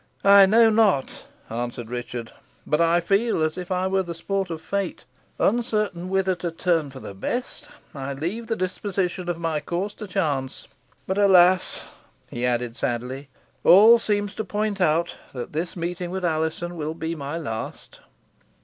"I know not," answered Richard, "but I feel as if I were the sport of fate. Uncertain whither to turn for the best, I leave the disposition of my course to chance. But, alas!" he added, sadly, "all seems to point out that this meeting with Alizon will be my last."